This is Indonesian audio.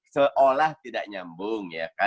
seolah tidak nyambung